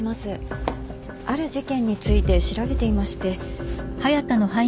ある事件について調べていまして。